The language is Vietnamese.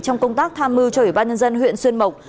trong công tác tham mưu cho ủy ban nhân dân huyện xuyên mộc